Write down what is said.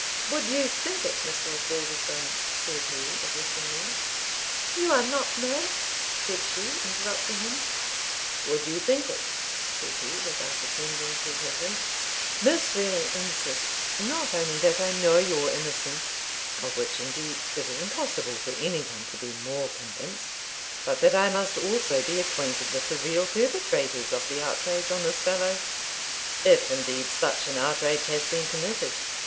Would you think it, Mr. Osbaldistone?" said he, addressing me "You are not mad?" said she, interrupting him. "Would you think it?" said he, without attending to her hint "Miss Vernon insists, not only that I know your innocence (of which, indeed, it is impossible for any one to be more convinced), but that I must also be acquainted with the real perpetrators of the outrage on this fellow if indeed such an outrage has been committed.